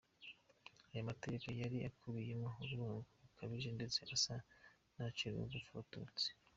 Aya mategeko yari akubiyemo urwango rukabije ndetse asa n’acira urwo gupfa Abatutsi.